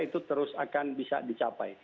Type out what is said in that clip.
itu terus akan bisa dicapai